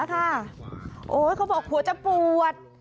เขาบอกหัวจะปวด